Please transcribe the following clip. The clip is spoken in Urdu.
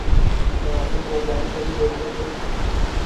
نہ آصف علی زرداری کبھی بولتے تھے۔